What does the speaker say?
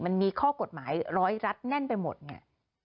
มันมีข้อกฎหมายร้อยรัฐแน่นไปหมดเนี่ย